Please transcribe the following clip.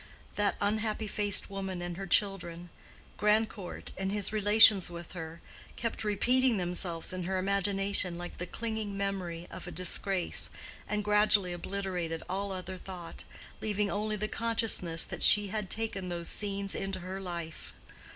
That unhappy faced woman and her children—Grandcourt and his relations with her—kept repeating themselves in her imagination like the clinging memory of a disgrace, and gradually obliterated all other thought, leaving only the consciousness that she had taken those scenes into her life.